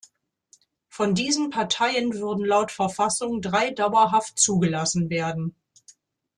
Von diesen Parteien würden laut Verfassung drei dauerhaft zugelassen werden.